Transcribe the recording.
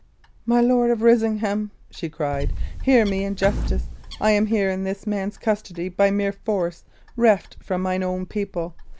"My Lord of Risingham," she cried, "hear me, in justice. I am here in this man's custody by mere force, reft from mine own people.